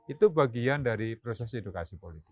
itu bagian dari proses edukasi politik